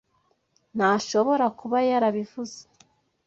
Ntashobora kuba yarabivuze. (